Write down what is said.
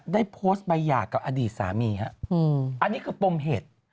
ได้โพสต์ใบหย่ากับอดีตสามีฮะอันนี้คือปมเหตุ